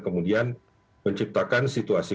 kemudian menciptakan situasi